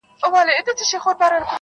نوي نوي غزل راوړه د ژوندون له رنګینیو-